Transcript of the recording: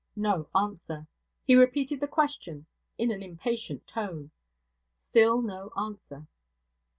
No answer. He repeated the question in an impatient tone. Still no answer.